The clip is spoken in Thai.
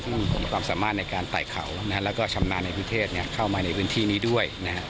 ซึ่งผมมีความสามารถในการไต่เขาแล้วก็ชำนาญในพิเทศเข้ามาในพื้นที่นี้ด้วย